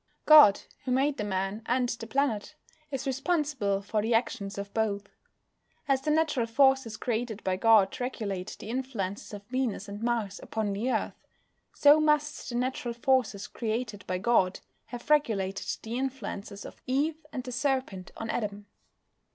God, who made the man and the planet, is responsible for the actions of both. As the natural forces created by God regulate the influences of Venus and Mars upon the Earth, so must the natural forces created by God have regulated the influences of Eve and the Serpent on Adam.